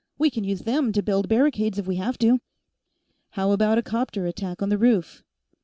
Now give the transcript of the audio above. We can use them to build barricades, if we have to." "How about a 'copter attack on the roof?"